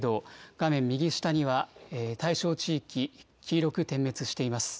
画面右下には、対象地域、黄色く点滅しています。